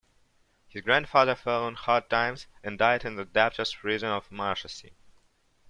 His grandfather fell on hard times and died in the debtors' prison of Marshalsea.